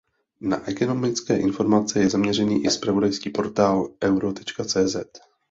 Na ekonomické informace je zaměřený i zpravodajský portál Euro.cz.